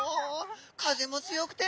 風も強くて。